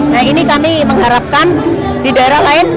nah ini kami mengharapkan di daerah lain